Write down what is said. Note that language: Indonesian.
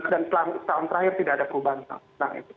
dan selama setahun terakhir tidak ada perubahan